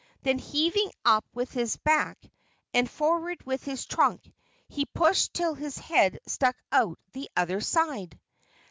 Then heaving up with his back and forward with his trunk, he pushed till his head stuck out the other side.